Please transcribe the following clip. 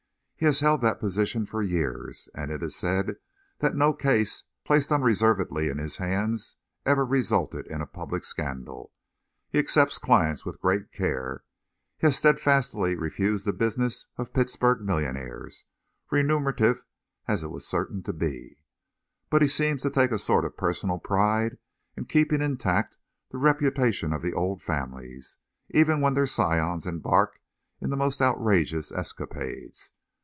He has held that position for years, and it is said that no case placed unreservedly in his hands ever resulted in a public scandal. He accepts clients with great care; he has steadfastly refused the business of Pittsburgh millionaires, remunerative as it was certain to be; but he seems to take a sort of personal pride in keeping intact the reputations of the old families, even when their scions embark in the most outrageous escapades.